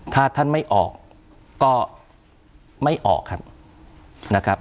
ถ้าท่านไม่ออกก็ไม่ออกครับนะครับ